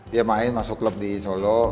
dia main masuk klub di solo